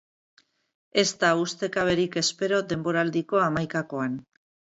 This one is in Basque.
Ez da ustekaberik espero denboraldiko hamaikakoan.